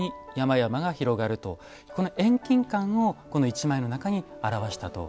遠近感をこの一枚の中に表したという。